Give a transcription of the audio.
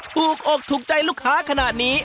ถูกอกถูกใจลูกค้าขนาดนี้